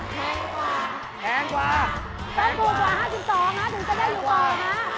แพงกว่าแพงกว่าจะถูกกว่า๕๒บาทมันจะได้อยู่ต่อหรือเปล่าฮะ